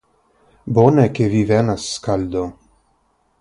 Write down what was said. Bone ke vi venas, skaldo!